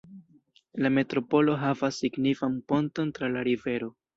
La metropolo havas signifan ponton tra la rivero.